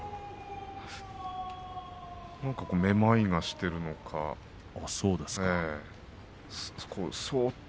めまいがしているのかそうっと